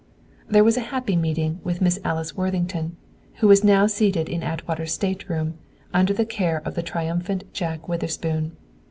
There was a happy meeting with Miss Alice Worthington, who was now seated in Atwater's stateroom, under the care of the triumphant Jack Witherspoon.